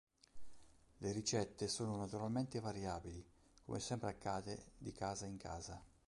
Le ricette sono naturalmente variabili, come sempre accade di "casa in casa".